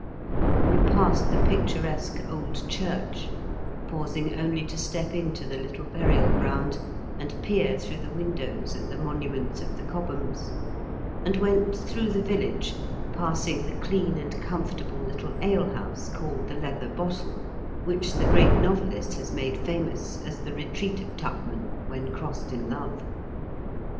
We passed the picturesque old church, pausing only to step into the Uttle burial ground, and peer through the windows at the monuments of the Cobhams, and went through the village, passing the clean and com fortable little ale house, called The Leather Bottle, which the great novelist has made famous as the retreat of Tupman when crossed in love.